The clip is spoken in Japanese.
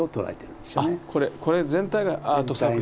これ全体がアート作品。